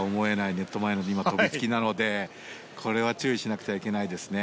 ネット前の飛びつきなのでこれは注意しないといけないですね。